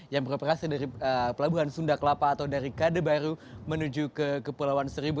yang beroperasi dari pelabuhan sunda kelapa atau dari kadebaru menuju ke pulauan seribu